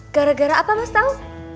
gara gara apa mas tahu